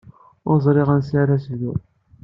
Ur ẓriɣ ansi ara s-bduɣ.